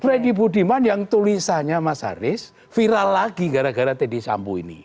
freddy budiman yang tulisannya mas haris viral lagi gara gara teddy sambo ini